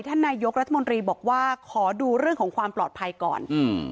ท่านนายกรัฐมนตรีบอกว่าขอดูเรื่องของความปลอดภัยก่อนอืม